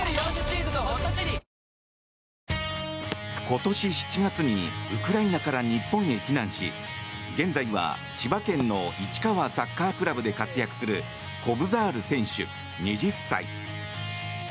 今年７月にウクライナから日本へ避難し現在は千葉県の市川サッカークラブで活躍するコブザール選手、２０歳。